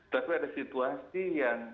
tapi ada situasi yang